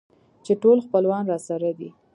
چې ټول خپلوان راسره دي.